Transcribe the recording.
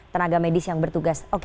tenaga medis yang bertugas